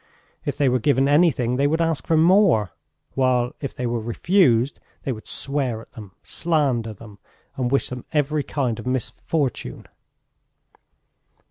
If they were given anything, they would ask for more; while if they were refused, they would swear at them, slander them, and wish them every kind of misfortune.